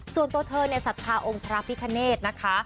ส่วนตัวเธอในศักราะห์องค์พระพิฆเนตนะคะ